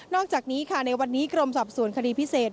อกจากนี้ค่ะในวันนี้กรมสอบสวนคดีพิเศษ